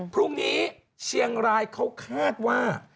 พรุ่งนี้เชียงรายเขาคาดว่า